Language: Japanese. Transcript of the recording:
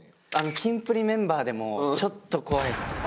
キンプリメンバーでもちょっと怖いですね。